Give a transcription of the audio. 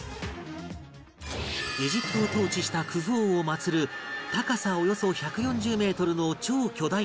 エジプトを統治したクフ王を祭る高さおよそ１４０メートルの超巨大なお墓